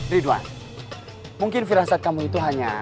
ridwan mungkin firasat kamu itu hanya